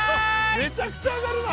めちゃくちゃあがるな。